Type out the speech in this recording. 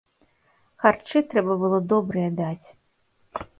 Харчы трэба было добрыя даць.